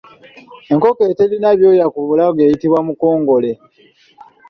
Enkoko eterina byoya ku bulago eyitibwa Mukongole.